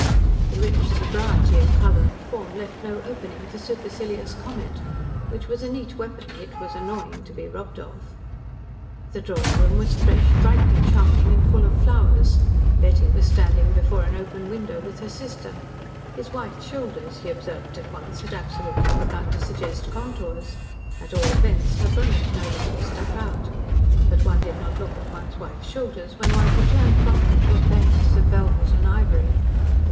The rich sobriety of colour and form left no opening for supercilious comment which was a neat weapon it was annoying to be robbed of. The drawing room was fresh, brightly charming, and full of flowers. Betty was standing before an open window with her sister. His wife's shoulders, he observed at once, had absolutely begun to suggest contours. At all events, her bones no longer stuck out. But one did not look at one's wife's shoulders when one could turn from them to a fairness of velvet and ivory.